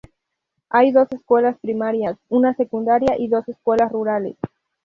Hay dos escuelas primarias, una secundaria y dos escuelas rurales.